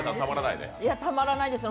たまらないです。